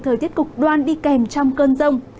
thời tiết cục đoan đi kèm trong cơn rông